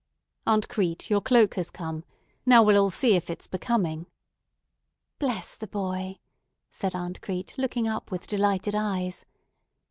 "Aunt Crete, your cloak has come. Now we'll all see if it's becoming." "Bless the boy," said Aunt Crete, looking up with delighted eyes.